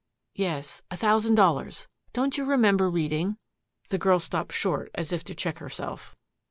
"Yes a thousand dollars. Don't you remember reading " The girl stopped short as if to check herself.